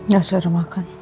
gak seru makan